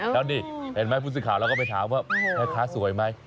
แล้วนี่เห็นไหมผู้สื่อข่าวเราก็ไปถามว่าแม่ค้าสวยไหม